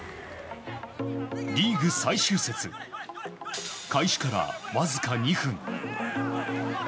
リーグ最終節開始からわずか２分。